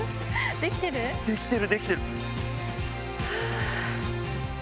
できてるできてる。